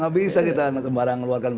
tidak bisa kita sembarangan mengeluarkan